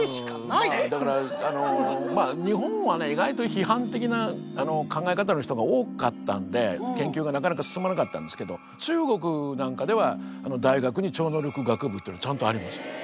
日本はね意外と批判的な考え方の人が多かったんで研究がなかなか進まなかったんですけど中国なんかでは大学に超能力学部というのちゃんとあります。